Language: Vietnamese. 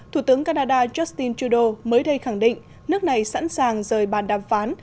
thủ tướng canada justin trudeau mới đây khẳng định nước này sẵn sàng rời bàn đàm phán